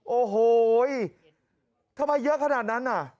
โอ้โหทำไมเยอะขนาดนั้นน่ะ